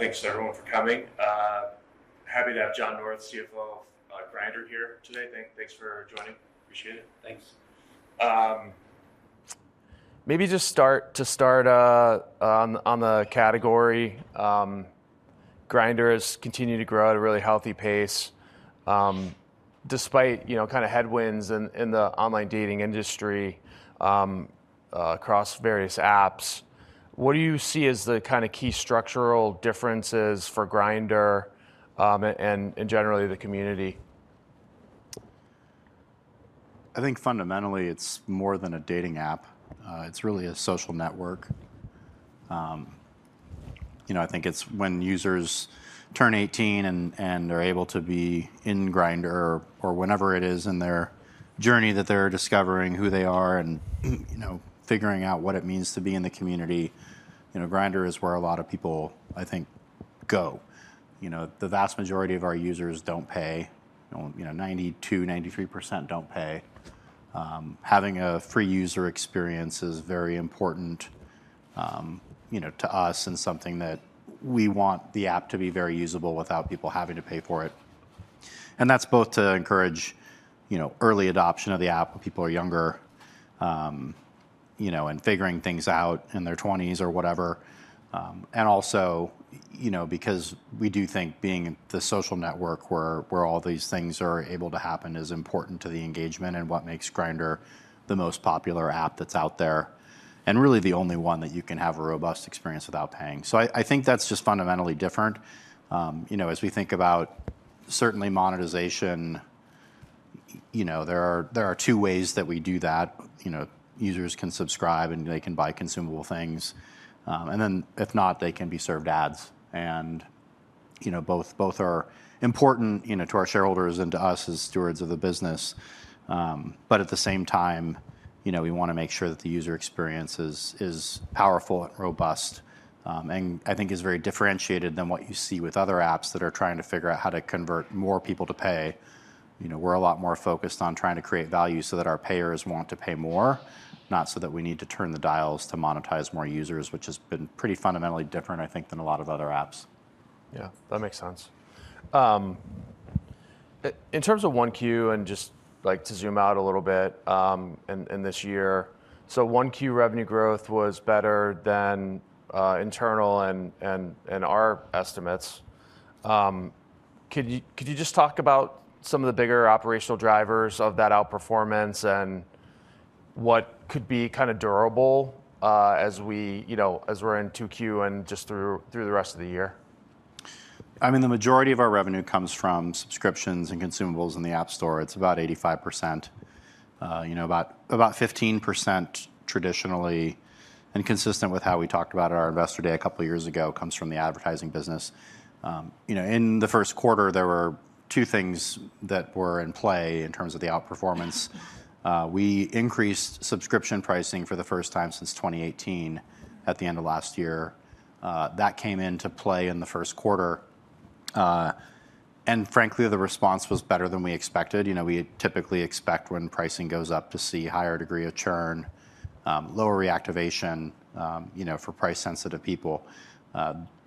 Thanks everyone for coming. Happy to have John North, CFO of Grindr here today. Thanks for joining. Appreciate it. Thanks. Maybe just to start on the category. Grindr has continued to grow at a really healthy pace, despite headwinds in the online dating industry, across various apps. What do you see as the key structural differences for Grindr, and generally the community? I think fundamentally, it's more than a dating app. It's really a social network. I think it's when users turn 18 and they're able to be in Grindr or whenever it is in their journey that they're discovering who they are and figuring out what it means to be in the community. Grindr is where a lot of people, I think, go. The vast majority of our users don't pay. 92%, 93% don't pay. Having a free user experience is very important to us and something that we want the app to be very usable without people having to pay for it. That's both to encourage early adoption of the app when people are younger, and figuring things out in their 20s or whatever. Also because we do think being the social network where all these things are able to happen is important to the engagement and what makes Grindr the most popular app that's out there. Really the only one that you can have a robust experience without paying. I think that's just fundamentally different. As we think about certainly monetization, there are two ways that we do that. Users can subscribe and they can buy consumable things. Then if not, they can be served ads. Both are important to our shareholders and to us as stewards of the business. At the same time, we want to make sure that the user experience is powerful and robust. I think is very differentiated than what you see with other apps that are trying to figure out how to convert more people to pay. We're a lot more focused on trying to create value so that our payers want to pay more, not so that we need to turn the dials to monetize more users, which has been pretty fundamentally different, I think, than a lot of other apps. Yeah, that makes sense. In terms of 1Q and just to zoom out a little bit in this year. 1Q revenue growth was better than internal and our estimates. Could you just talk about some of the bigger operational drivers of that outperformance and what could be durable as we're in 2Q and just through the rest of the year? The majority of our revenue comes from subscriptions and consumables in the App Store. It's about 85%. About 15% traditionally and consistent with how we talked about at our Investor Day a couple of years ago, comes from the advertising business. In the first quarter, there were two things that were in play in terms of the outperformance. We increased subscription pricing for the first time since 2018 at the end of last year. That came into play in the first quarter. Frankly, the response was better than we expected. We typically expect when pricing goes up to see higher degree of churn, lower reactivation, for price-sensitive people.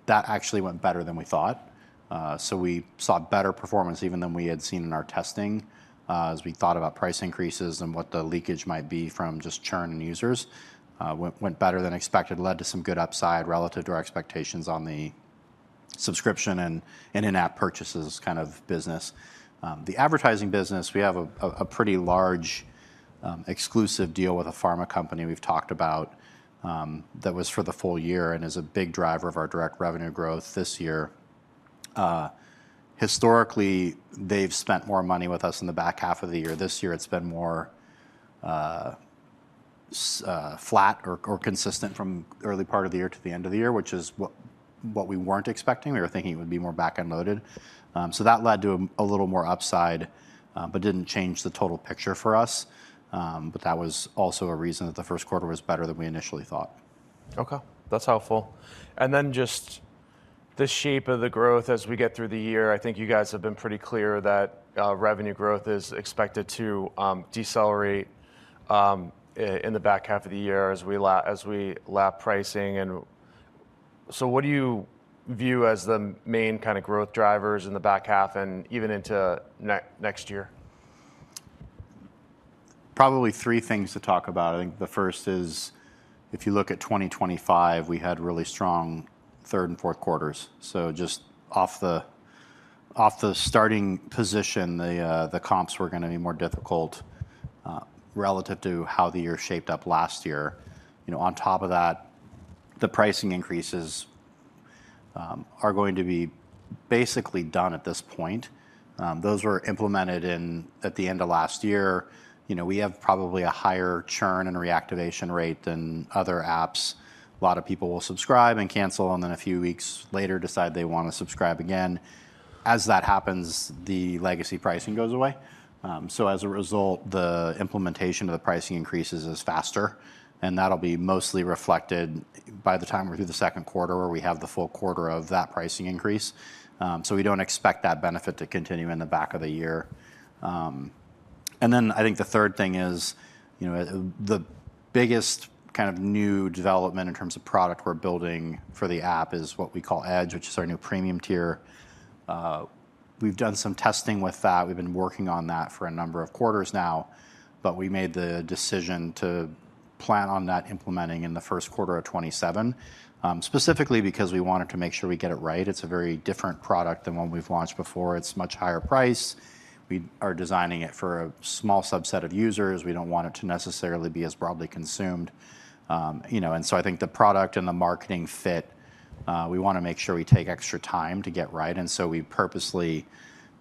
That actually went better than we thought. We saw better performance even than we had seen in our testing as we thought about price increases and what the leakage might be from just churn and users. Went better than expected, led to some good upside relative to our expectations on the subscription and in-app purchases kind of business. The advertising business, we have a pretty large exclusive deal with a pharma company we've talked about, that was for the full year and is a big driver of our direct revenue growth this year. Historically, they've spent more money with us in the back half of the year. This year it's been more flat or consistent from the early part of the year to the end of the year, which is what we weren't expecting. We were thinking it would be more back-end loaded. That led to a little more upside, but didn't change the total picture for us. That was also a reason that the first quarter was better than we initially thought. Okay. That's helpful. Just the shape of the growth as we get through the year. I think you guys have been pretty clear that revenue growth is expected to decelerate in the back half of the year as we lap pricing. What do you view as the main growth drivers in the back half and even into next year? Probably three things to talk about. I think the first is, if you look at 2025, we had really strong third and fourth quarters. Just off the starting position, the comps were going to be more difficult relative to how the year shaped up last year. On top of that, the pricing increases are going to be basically done at this point. Those were implemented at the end of last year. We have probably a higher churn and reactivation rate than other apps. A lot of people will subscribe and cancel, and then a few weeks later decide they want to subscribe again. As that happens, the legacy pricing goes away. As a result, the implementation of the pricing increases is faster, and that'll be mostly reflected by the time we're through the second quarter where we have the full quarter of that pricing increase. We don't expect that benefit to continue in the back of the year. Then I think the third thing is, the biggest kind of new development in terms of product we're building for the app is what we call EDGE, which is our new premium tier. We've done some testing with that. We've been working on that for a number of quarters now, but we made the decision to plan on that implementing in the first quarter of 2027, specifically because we wanted to make sure we get it right. It's a very different product than one we've launched before. It's much higher price. We are designing it for a small subset of users. We don't want it to necessarily be as broadly consumed. So I think the product and the marketing fit, we want to make sure we take extra time to get right. We purposely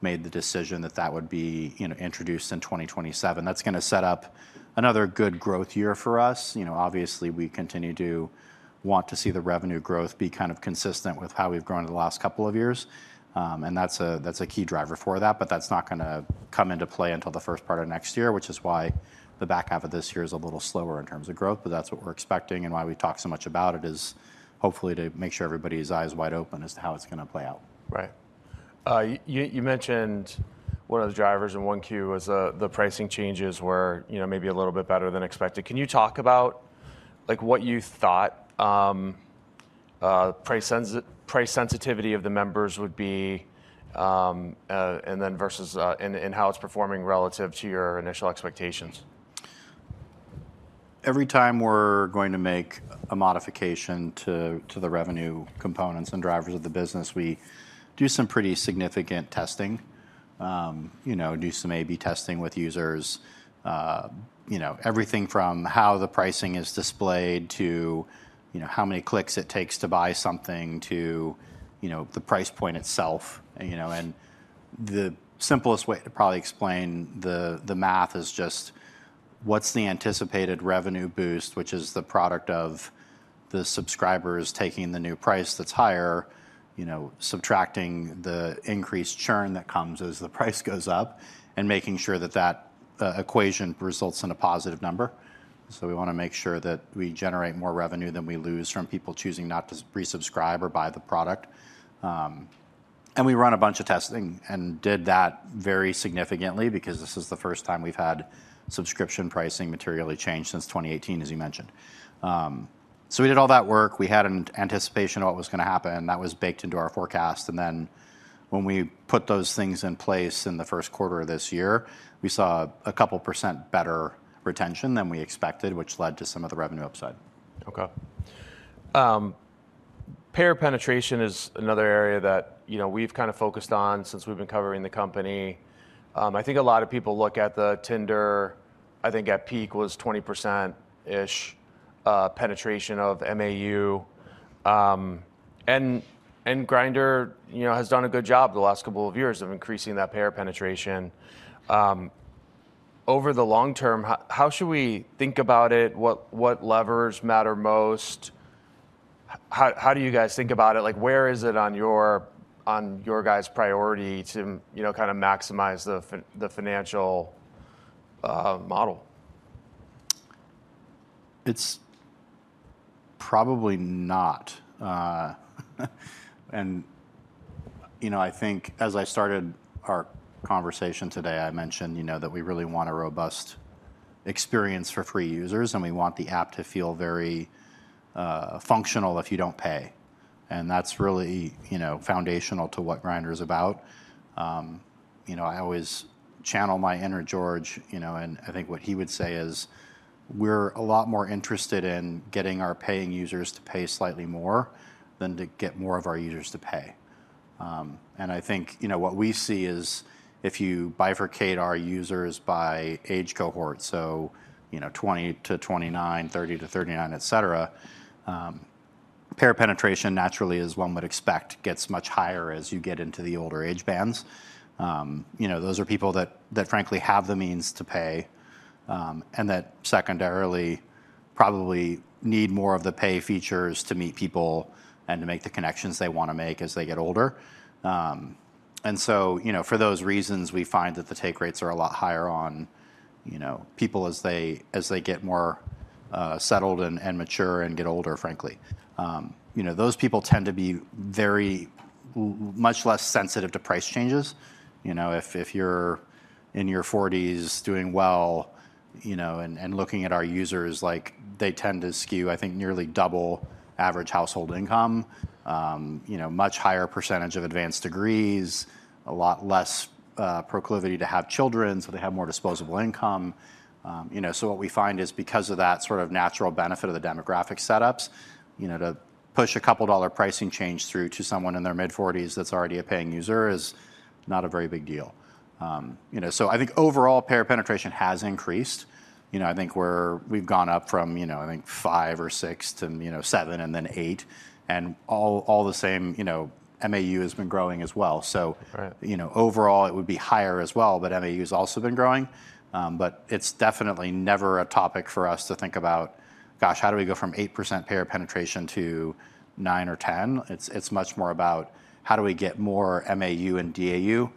made the decision that that would be introduced in 2027. That's going to set up another good growth year for us. Obviously, we continue to want to see the revenue growth be kind of consistent with how we've grown the last couple of years. That's a key driver for that, but that's not going to come into play until the first part of next year, which is why the back half of this year is a little slower in terms of growth. That's what we're expecting and why we've talked so much about it is hopefully to make sure everybody's eyes wide open as to how it's going to play out. Right. You mentioned one of the drivers in 1Q was the pricing changes were maybe a little bit better than expected. Can you talk about what you thought price sensitivity of the members would be, and how it's performing relative to your initial expectations? Every time we're going to make a modification to the revenue components and drivers of the business, we do some pretty significant testing. Do some A/B testing with users. Everything from how the pricing is displayed to how many clicks it takes to buy something to the price point itself. The simplest way to probably explain the math is just what's the anticipated revenue boost, which is the product of the subscribers taking the new price that's higher, subtracting the increased churn that comes as the price goes up, and making sure that that equation results in a positive number. We want to make sure that we generate more revenue than we lose from people choosing not to resubscribe or buy the product. We run a bunch of testing, and did that very significantly because this is the first time we've had subscription pricing materially change since 2018, as you mentioned. We did all that work. We had an anticipation of what was going to happen, and that was baked into our forecast. When we put those things in place in the first quarter of this year, we saw a couple % better retention than we expected, which led to some of the revenue upside. Okay. Payer penetration is another area that we've kind of focused on since we've been covering the company. I think a lot of people look at the Tinder, I think at peak was 20% penetration of MAU. Grindr has done a good job the last couple of years of increasing that payer penetration. Over the long term, how should we think about it? What levers matter most? How do you guys think about it? Where is it on your guys' priority to maximize the financial model? It's probably not. I think as I started our conversation today, I mentioned that we really want a robust experience for free users, and we want the app to feel very functional if you don't pay. That's really foundational to what Grindr is about. I always channel my inner George, and I think what he would say is we're a lot more interested in getting our paying users to pay slightly more than to get more of our users to pay. I think, what we see is if you bifurcate our users by age cohort, so 20 to 29, 30 to 39, et cetera, payer penetration naturally, as one would expect, gets much higher as you get into the older age bands. Those are people that frankly, have the means to pay, and that secondarily probably need more of the pay features to meet people and to make the connections they want to make as they get older. For those reasons, we find that the take rates are a lot higher on people as they get more settled and mature and get older, frankly. Those people tend to be much less sensitive to price changes. If you're in your 40s, doing well, and looking at our users, they tend to skew, I think, nearly double average household income. Much higher percentage of advanced degrees, a lot less proclivity to have children, so they have more disposable income. What we find is because of that sort of natural benefit of the demographic setups, to push a couple dollar pricing change through to someone in their mid-40s that's already a paying user is not a very big deal. I think overall payer penetration has increased. I think we've gone up from I think five or six to seven and then eight, all the same, MAU has been growing as well. Right. Overall it would be higher as well, but MAUs also been growing. It's definitely never a topic for us to think about, gosh, how do we go from 8% payer penetration to 9% or 10%? It's much more about how do we get more MAU and DAU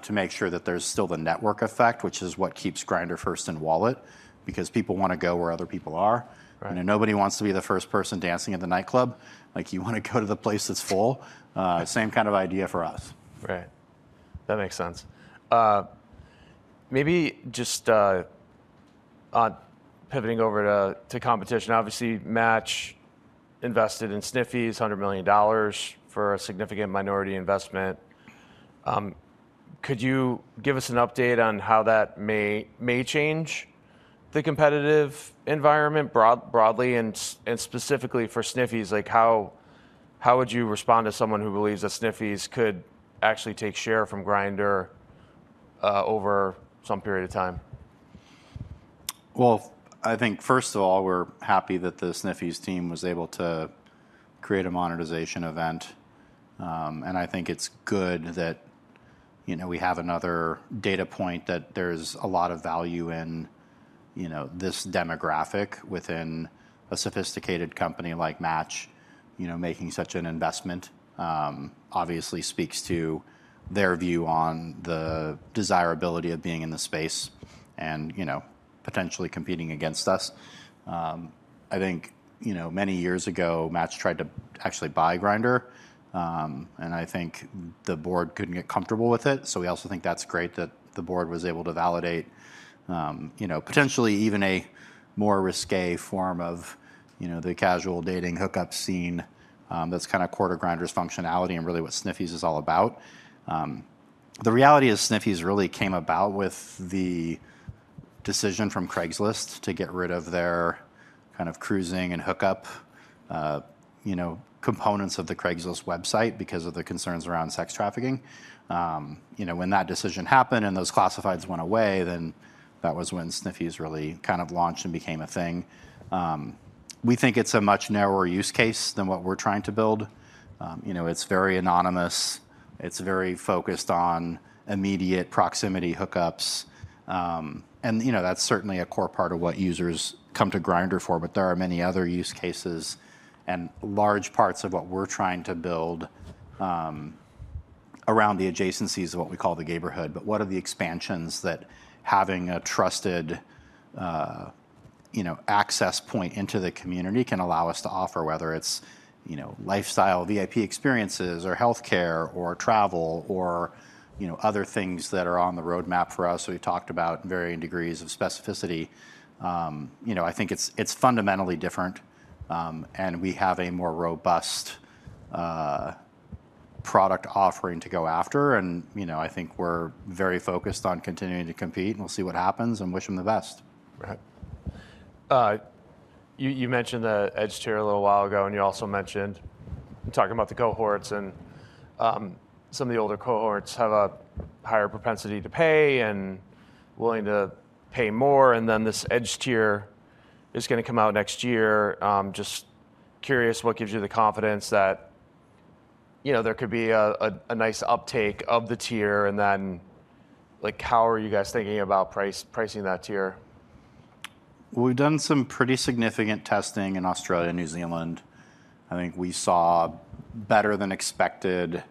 to make sure that there's still the network effect, which is what keeps Grindr first in wallet, because people want to go where other people are. Right. Nobody wants to be the first person dancing at the nightclub. You want to go to the place that's full. Same kind of idea for us. Right. That makes sense. Just on pivoting over to competition. Obviously, Match invested in Sniffies, $100 million for a significant minority investment. Could you give us an update on how that may change the competitive environment broadly and specifically for Sniffies? How would you respond to someone who believes that Sniffies could actually take share from Grindr over some period of time? Well, I think first of all, we're happy that the Sniffies team was able to create a monetization event. I think it's good that we have another data point that there's a lot of value in this demographic within a sophisticated company like Match, making such an investment. Obviously speaks to their view on the desirability of being in the space and potentially competing against us. I think, many years ago, Match tried to actually buy Grindr, and I think the board couldn't get comfortable with it. We also think that's great that the board was able to validate potentially even a more risque form of the casual dating hookup scene. That's core Grindr's functionality and really what Sniffies is all about. The reality is Sniffies really came about with the decision from Craigslist to get rid of their cruising and hookup components of the Craigslist website because of the concerns around sex trafficking. That decision happened and those classifieds went away, then that was when Sniffies really launched and became a thing. We think it's a much narrower use case than what we're trying to build. It's very anonymous. It's very focused on immediate proximity hookups. That's certainly a core part of what users come to Grindr for. There are many other use cases and large parts of what we're trying to build around the adjacencies of what we call the Gayborhood. What are the expansions that having a trusted access point into the community can allow us to offer, whether it's lifestyle, VIP experiences, or healthcare, or travel, or other things that are on the roadmap for us. We've talked about varying degrees of specificity. I think it's fundamentally different. We have a more robust product offering to go after. I think we're very focused on continuing to compete, and we'll see what happens and wish them the best. Right. You mentioned the EDGE tier a little while ago, and you also mentioned talking about the cohorts and some of the older cohorts have a higher propensity to pay and willing to pay more, and then this EDGE tier is going to come out next year. Just curious, what gives you the confidence that there could be a nice uptake of the tier and then how are you guys thinking about pricing that tier? We've done some pretty significant testing in Australia and New Zealand. I think we saw better than expected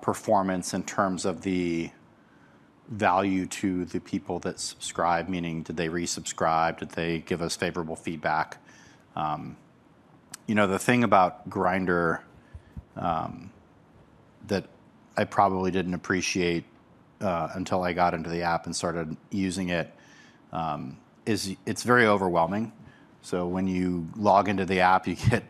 performance in terms of the value to the people that subscribe, meaning did they resubscribe? Did they give us favorable feedback? The thing about Grindr, that I probably didn't appreciate until I got into the app and started using it, is it's very overwhelming. When you log into the app, you get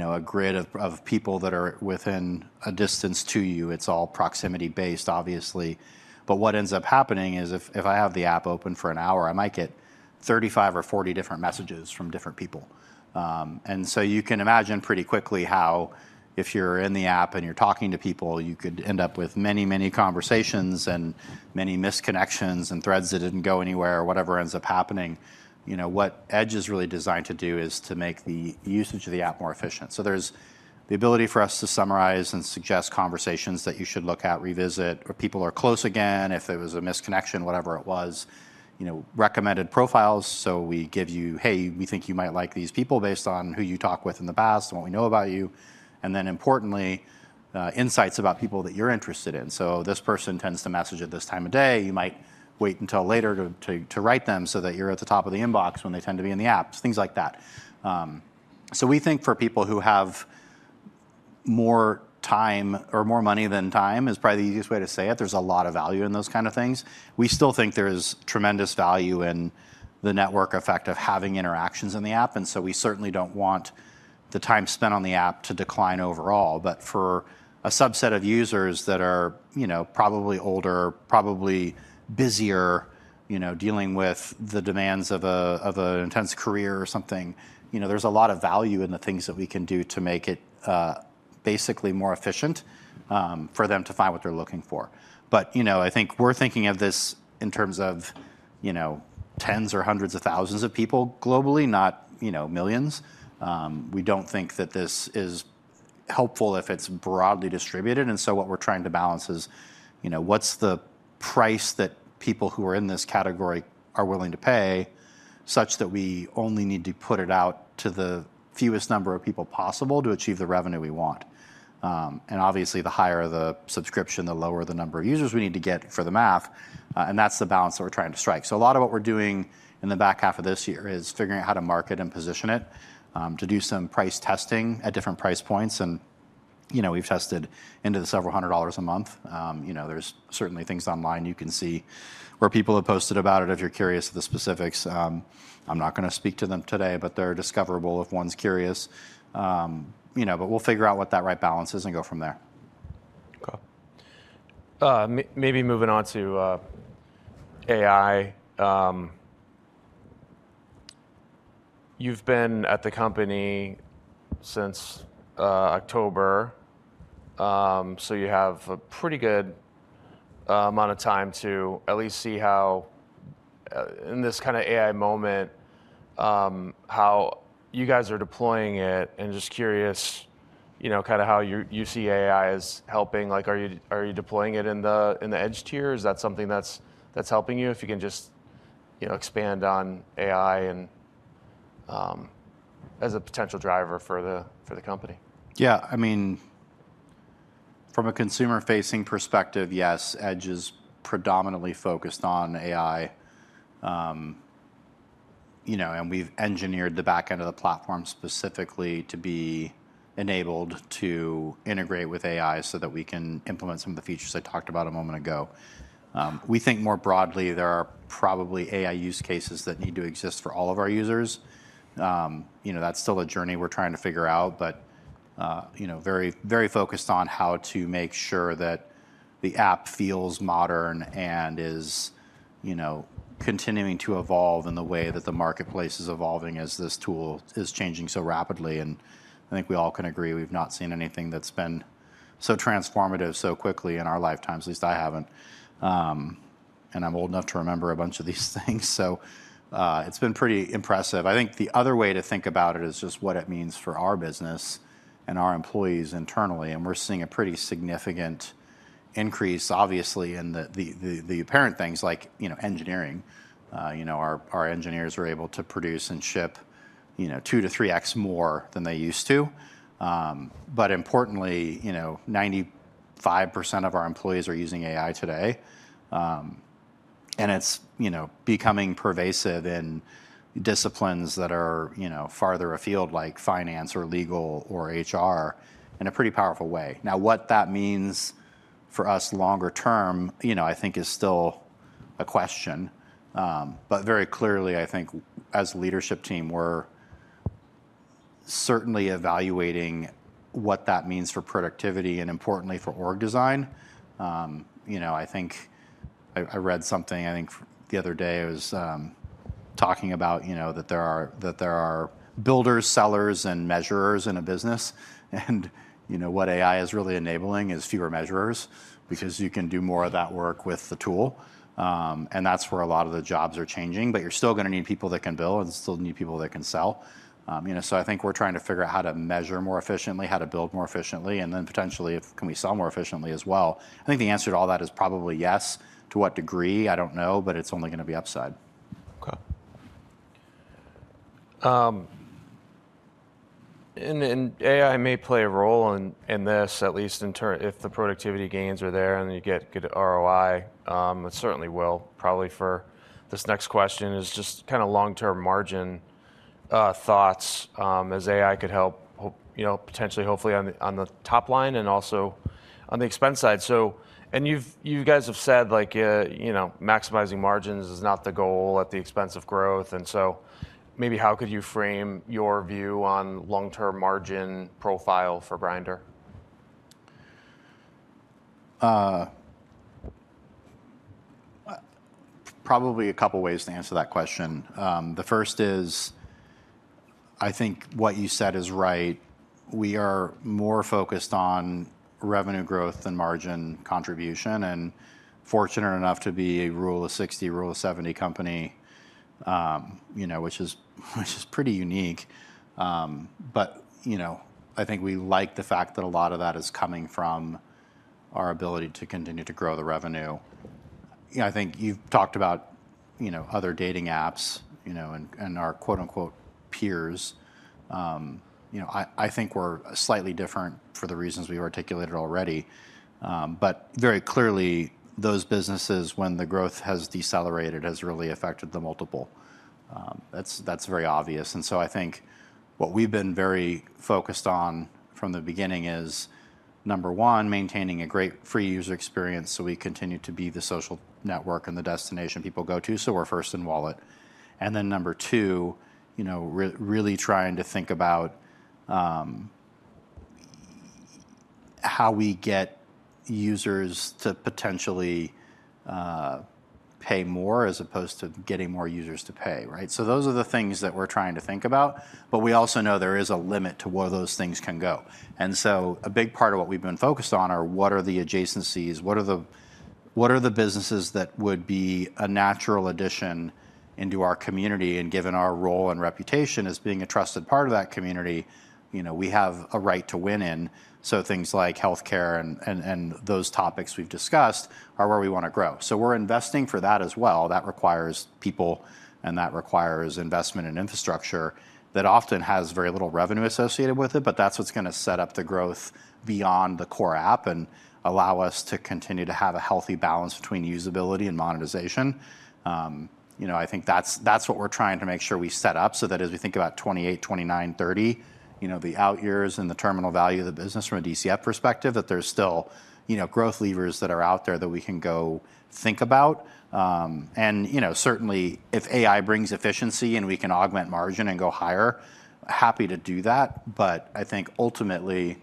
a grid of people that are within a distance to you. It's all proximity-based, obviously. What ends up happening is if I have the app open for an hour, I might get 35 or 40 different messages from different people. You can imagine pretty quickly how if you're in the app and you're talking to people, you could end up with many conversations and many missed connections and threads that didn't go anywhere or whatever ends up happening. What EDGE is really designed to do is to make the usage of the app more efficient. There's the ability for us to summarize and suggest conversations that you should look at, revisit, or people are close again, if it was a misconnection, whatever it was. Recommended profiles. We give you, "Hey, we think you might like these people based on who you talked with in the past and what we know about you." Importantly, insights about people that you're interested in. This person tends to message at this time of day. You might wait until later to write them so that you're at the top of the inbox when they tend to be in the app, things like that. We think for people who have more time or more money than time is probably the easiest way to say it, there's a lot of value in those kind of things. We still think there's tremendous value in the network effect of having interactions in the app, we certainly don't want the time spent on the app to decline overall. For a subset of users that are probably older, probably busier, dealing with the demands of an intense career or something, there's a lot of value in the things that we can do to make it basically more efficient for them to find what they're looking for. I think we're thinking of this in terms of tens or hundreds of thousands of people globally, not millions. We don't think that this is helpful if it's broadly distributed. What we're trying to balance is what's the price that people who are in this category are willing to pay such that we only need to put it out to the fewest number of people possible to achieve the revenue we want? Obviously, the higher the subscription, the lower the number of users we need to get for the math. That's the balance that we're trying to strike. A lot of what we're doing in the back half of this year is figuring out how to market and position it, to do some price testing at different price points and we've tested into the several hundred dollar a month. There's certainly things online you can see where people have posted about it if you're curious of the specifics. I'm not going to speak to them today, but they're discoverable if one's curious. We'll figure out what that right balance is and go from there. Maybe moving on to AI. You've been at the company since October, you have a pretty good amount of time to at least see how, in this kind of AI moment, how you guys are deploying it. Just curious how you see AI as helping. Are you deploying it in the EDGE tier? Is that something that's helping you? If you can just expand on AI as a potential driver for the company. Yeah. From a consumer-facing perspective, yes, EDGE is predominantly focused on AI. We've engineered the back end of the platform specifically to be enabled to integrate with AI so that we can implement some of the features I talked about a moment ago. We think more broadly, there are probably AI use cases that need to exist for all of our users. That's still a journey we're trying to figure out, but very focused on how to make sure that the app feels modern and is continuing to evolve in the way that the marketplace is evolving as this tool is changing so rapidly. I think we all can agree we've not seen anything that's been so transformative so quickly in our lifetimes. At least I haven't. I'm old enough to remember a bunch of these things. It's been pretty impressive. I think the other way to think about it is just what it means for our business and our employees internally. We're seeing a pretty significant increase, obviously, in the apparent things like engineering. Our engineers are able to produce and ship 2 to 3x more than they used to. Importantly, 95% of our employees are using AI today. It's becoming pervasive in disciplines that are farther afield, like finance or legal or HR, in a pretty powerful way. Now, what that means for us longer term, I think is still a question. Very clearly, I think as a leadership team, we're certainly evaluating what that means for productivity and importantly for org design. I read something, I think, the other day. It was talking about that there are builders, sellers, and measurers in a business. What AI is really enabling is fewer measurers because you can do more of that work with the tool. That's where a lot of the jobs are changing. You're still going to need people that can build and still need people that can sell. I think we're trying to figure out how to measure more efficiently, how to build more efficiently, and then potentially if can we sell more efficiently as well. I think the answer to all that is probably yes. To what degree, I don't know, but it's only going to be upside. Okay. AI may play a role in this, at least if the productivity gains are there and you get good ROI. It certainly will probably for this next question, is just kind of long-term margin thoughts as AI could help potentially hopefully on the top line and also on the expense side. You guys have said maximizing margins is not the goal at the expense of growth, maybe how could you frame your view on long-term margin profile for Grindr? Probably a couple ways to answer that question. The first is, I think what you said is right. We are more focused on revenue growth than margin contribution, and fortunate enough to be a rule of 60, rule of 70 company, which is pretty unique. I think we like the fact that a lot of that is coming from our ability to continue to grow the revenue. I think you've talked about other dating apps and our quote, unquote, "peers." I think we're slightly different for the reasons we've articulated already. Very clearly, those businesses, when the growth has decelerated, has really affected the multiple. That's very obvious. I think what we've been very focused on from the beginning is, number one, maintaining a great free user experience so we continue to be the social network and the destination people go to, so we're first in wallet. Number two, really trying to think about how we get users to potentially pay more as opposed to getting more users to pay. Right? Those are the things that we're trying to think about, but we also know there is a limit to where those things can go. A big part of what we've been focused on are what are the adjacencies? What are the businesses that would be a natural addition into our community? And given our role and reputation as being a trusted part of that community, we have a right to win in. Things like healthcare and those topics we've discussed are where we want to grow. We're investing for that as well. That requires people, and that requires investment in infrastructure that often has very little revenue associated with it, but that's what's going to set up the growth beyond the core app and allow us to continue to have a healthy balance between usability and monetization. I think that's what we're trying to make sure we set up so that as we think about 2028, 2029, 2030, the out years and the terminal value of the business from a DCF perspective, that there's still growth levers that are out there that we can go think about. Certainly if AI brings efficiency and we can augment margin and go higher, happy to do that. I think ultimately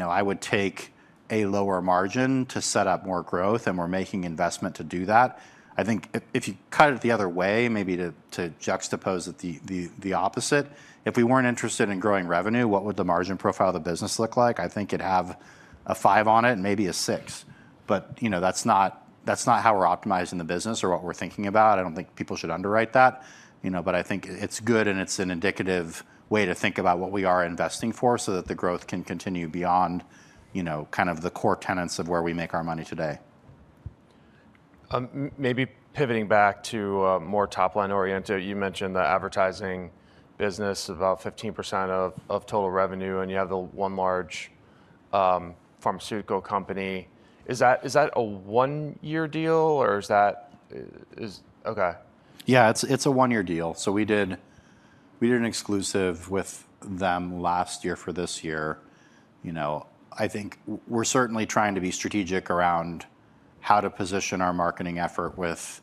I would take a lower margin to set up more growth, and we're making investment to do that. I think if you cut it the other way, maybe to juxtapose it the opposite, if we weren't interested in growing revenue, what would the margin profile of the business look like? I think it'd have a five on it, maybe a six. That's not how we're optimizing the business or what we're thinking about. I don't think people should underwrite that. I think it's good and it's an indicative way to think about what we are investing for so that the growth can continue beyond kind of the core tenets of where we make our money today. Maybe pivoting back to more top-line oriented, you mentioned the advertising business, about 15% of total revenue. You have the one large pharmaceutical company. Is that a one-year deal or is that okay? Yeah, it's a one-year deal. We did an exclusive with them last year for this year. I think we're certainly trying to be strategic around how to position our marketing effort with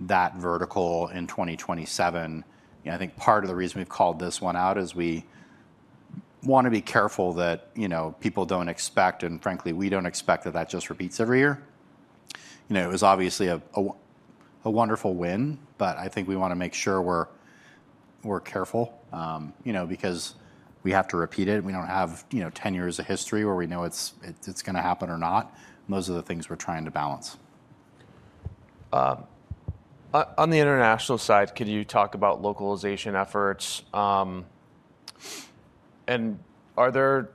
that vertical in 2027. I think part of the reason we've called this one out is we want to be careful that people don't expect, and frankly, we don't expect that that just repeats every year. It was obviously a wonderful win. I think we want to make sure we're careful because we have to repeat it, and we don't have 10 years of history where we know it's going to happen or not. Those are the things we're trying to balance. On the international side, could you talk about localization efforts? Are there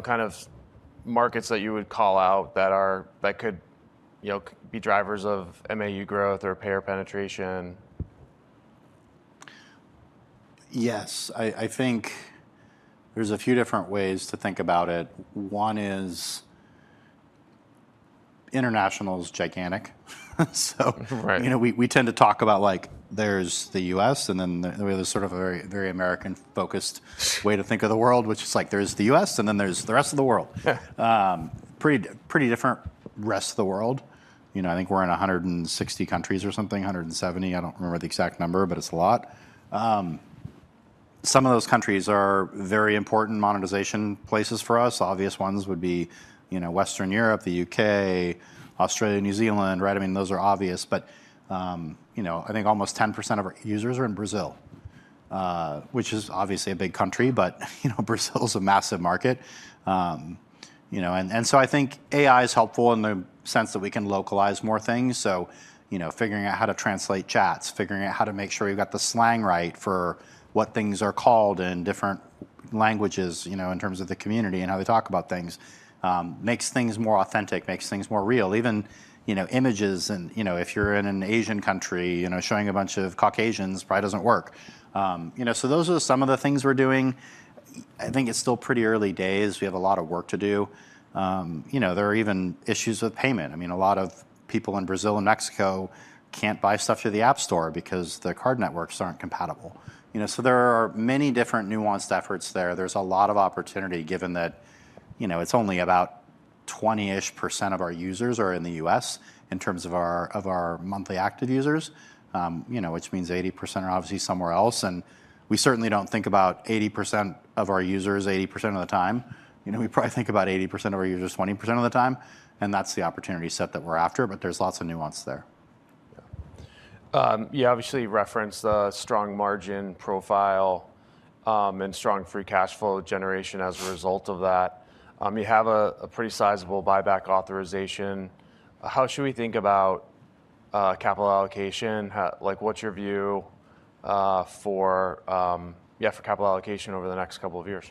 kind of markets that you would call out that could be drivers of MAU growth or payer penetration? Yes. I think there's a few different ways to think about it. One is international is gigantic. Right. We tend to talk about there's the U.S., and then there's sort of a very American-focused way to think of the world, which is like there's the U.S. and then there's the rest of the world. Yeah. Pretty different rest of the world. I think we're in 160 countries or something, 170. I don't remember the exact number, but it's a lot. Some of those countries are very important monetization places for us. Obvious ones would be Western Europe, the U.K., Australia, New Zealand, right? Those are obvious. I think almost 10% of our users are in Brazil, which is obviously a big country, but Brazil's a massive market. I think AI is helpful in the sense that we can localize more things. Figuring out how to translate chats, figuring out how to make sure you've got the slang right for what things are called in different languages in terms of the community and how they talk about things, makes things more authentic, makes things more real. Even images and if you're in an Asian country, showing a bunch of Caucasians probably doesn't work. Those are some of the things we're doing. I think it's still pretty early days. We have a lot of work to do. There are even issues with payment. A lot of people in Brazil and Mexico can't buy stuff through the App Store because the card networks aren't compatible. There are many different nuanced efforts there. There's a lot of opportunity given that it's only about 20-ish% of our users are in the U.S. in terms of our monthly active users, which means 80% are obviously somewhere else, and we certainly don't think about 80% of our users 80% of the time. We probably think about 80% of our users 20% of the time, and that's the opportunity set that we're after, but there's lots of nuance there. You obviously referenced the strong margin profile and strong free cash flow generation as a result of that. You have a pretty sizable buyback authorization. How should we think about capital allocation? What's your view for capital allocation over the next couple of years?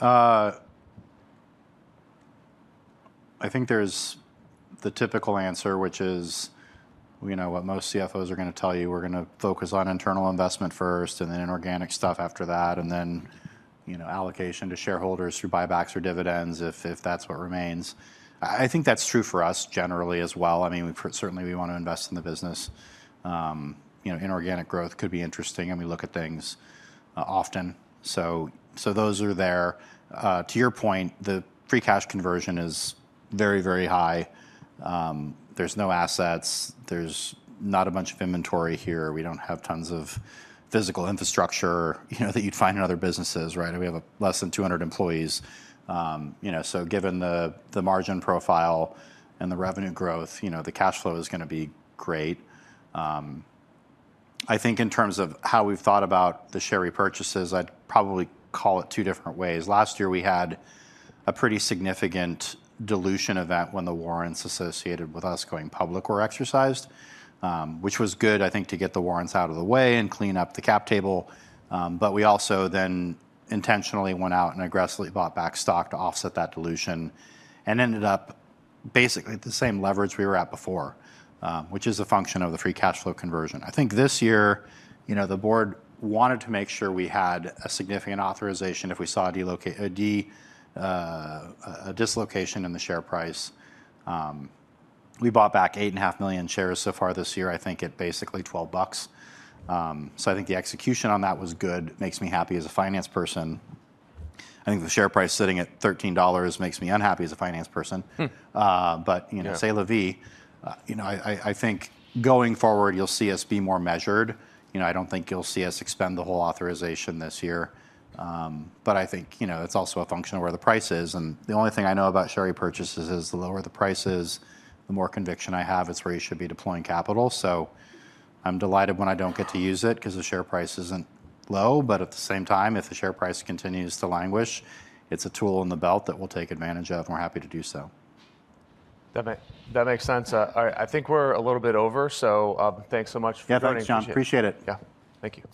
I think there's the typical answer, which is what most CFOs are going to tell you, we're going to focus on internal investment first and then inorganic stuff after that, and then allocation to shareholders through buybacks or dividends if that's what remains. I think that's true for us generally as well. Certainly, we want to invest in the business. Inorganic growth could be interesting, and we look at things often. Those are there. To your point, that free cash conversion is very, very high. There's no assets. There's not a bunch of inventory here. We don't have tons of physical infrastructure that you'd find in other businesses, right? We have less than 200 employees. Given the margin profile and the revenue growth, the cash flow is going to be great. I think in terms of how we've thought about the share repurchases, I'd probably call it two different ways. Last year, we had a pretty significant dilution event when the warrants associated with us going public were exercised, which was good, I think, to get the warrants out of the way and clean up the cap table. We also then intentionally went out and aggressively bought back stock to offset that dilution and ended up basically at the same leverage we were at before, which is a function of the free cash flow conversion. I think this year, the board wanted to make sure we had a significant authorization if we saw a dislocation in the share price. We bought back 8.5 million shares so far this year, I think at basically $12. So I think the execution on that was good. Makes me happy as a finance person. I think the share price sitting at $13 makes me unhappy as a finance person. C'est la vie. I think going forward, you'll see us be more measured. I don't think you'll see us expend the whole authorization this year. I think it's also a function of where the price is. The only thing I know about share repurchases is the lower the price is, the more conviction I have it's where you should be deploying capital. I'm delighted when I don't get to use it because the share price isn't low. At the same time, if the share price continues to languish, it's a tool in the belt that we'll take advantage of, and we're happy to do so. That makes sense. All right. I think we're a little bit over, so thanks so much for joining. Yeah, thanks, John. Appreciate it. Yeah. Thank you.